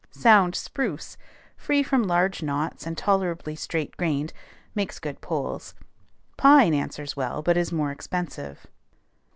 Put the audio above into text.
Sound spruce, free from large knots and tolerably straight grained, makes good poles; pine answers as well, but is more expensive.